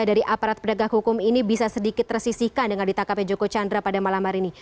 dari aparat penegak hukum ini bisa sedikit tersisihkan dengan ditangkapnya joko chandra pada malam hari ini